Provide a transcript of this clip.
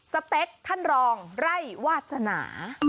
สเต็กท่านรองไร่วาสนา